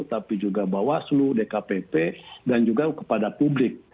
tapi juga bawaslu dkpp dan juga kepada publik